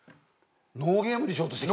ノーゲームにしようとしてる。